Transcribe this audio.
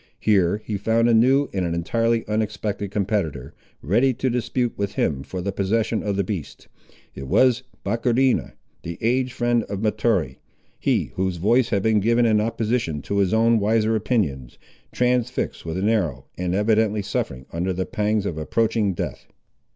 Here he found a new and an entirely unexpected competitor, ready to dispute with him for the possession of the beast. It was Bohrecheena, the aged friend of Mahtoree; he whose voice had been given in opposition to his own wiser opinions, transfixed with an arrow, and evidently suffering under the pangs of approaching death.